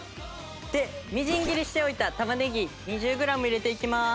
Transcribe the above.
みじん切りしておいた玉ねぎ２０グラム入れていきます。